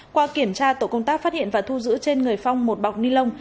qua kiểm tra tổ công tác phát hiện và thu giữ trên người phong một bọc ni lông